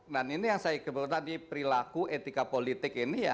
nah ini yang saya kebetulan tadi perilaku etika politik ini ya